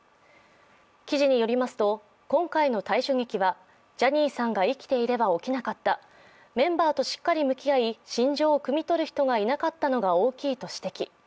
記事によりますと、今回の退所劇はジャニーさんが生きていれば起きなかった、メンバーとしっかり向き合い心情をくみ取る人がいなかったのが大きいと指摘。